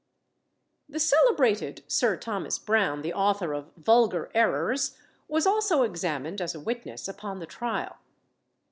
'" The celebrated Sir Thomas Brown, the author of Vulgar Errors, was also examined as a witness upon the trial.